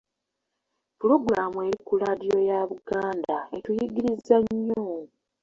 Pulogulamu eri ku laadiyo ya Buganda etuyigiriza nnyo.